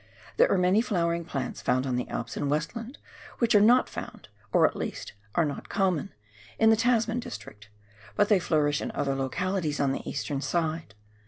There are many flowering plants found on the Alps in TV"estland, which are not found — or, at least, are not common — in the Tasman district ; but they flourish in other localities on the eastern side.